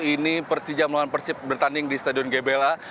ini persija melawan persib bertanding di stadion gebela